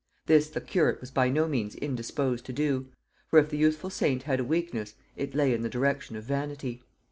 This the curate was by no means indisposed to do; for, if the youthful saint had a weakness, it lay in the direction of vanity.